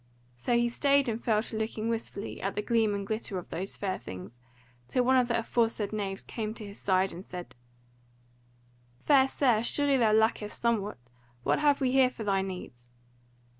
So he stayed and fell to looking wistfully at the gleam and glitter of those fair things, till one of the aforesaid knaves came to his side and said: "Fair Sir, surely thou lackest somewhat; what have we here for thy needs?"